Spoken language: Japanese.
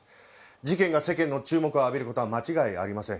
事件が世間の注目を浴びる事は間違いありません。